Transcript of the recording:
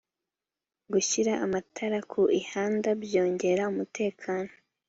gushyira amatara ku ihanda byongera umutekano